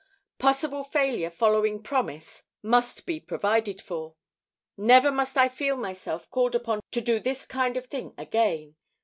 Possible failure following promise must be provided for. Never must I feel myself called upon to do this kind of thing again.